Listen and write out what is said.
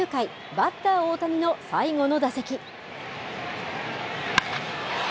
バッター大谷の最後の打席。